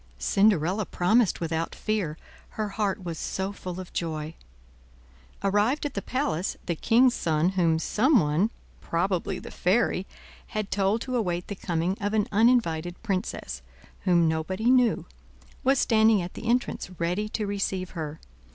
Cinderella promised without fear, her heart was so full of joy. Arrived at the palace, the king's son, whom some one, probably the fairy, had told to await the coming of an uninvited princess, whom nobody knew, was standing at the entrance, ready to receive her.